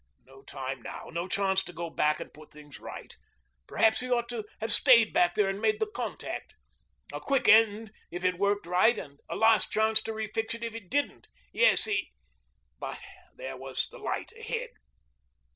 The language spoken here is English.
No time now, no chance to go back and put things right. Perhaps he ought to have stayed back there and made the contact. A quick end if it worked right, and a last chance to refix it if it didn't; yes, he ... but here was the light ahead.